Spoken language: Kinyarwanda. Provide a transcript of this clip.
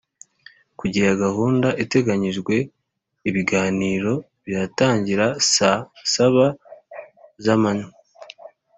Kuri gahunda iteganyijwe ibiganiro biratangira saa saba z’amanywa